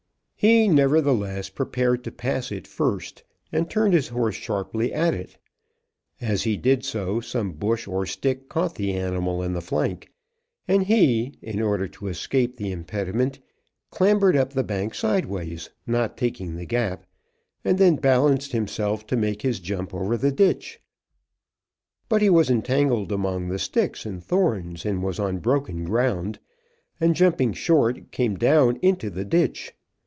He, nevertheless, prepared to pass it first, and turned his horse sharply at it; as he did so, some bush or stick caught the animal in the flank, and he, in order to escape the impediment, clambered up the bank sideways, not taking the gap, and then balanced himself to make his jump over the ditch. But he was entangled among the sticks and thorns and was on broken ground, and jumping short, came down into the ditch.